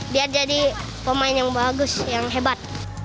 biar jadi pemain yang bagus yang hebat